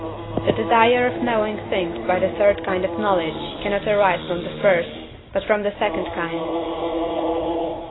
the desire of knowing things by the third kind of knowledge cannot arise from the first, but from the second kind.